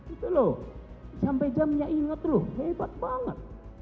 itu loh sampai jamnya inget loh hebat banget